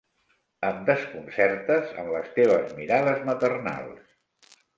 Em desconcertes, amb les teves mirades maternals.